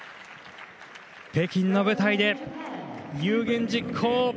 北京の舞台で、有言実行。